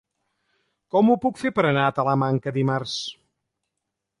Com ho puc fer per anar a Talamanca dimarts?